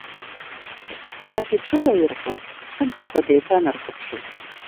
Нас иҽылаирҟәын сыблақәа деиҭанырхыԥшылт…